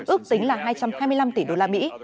ước tính là hai trăm hai mươi năm tỷ đô la mỹ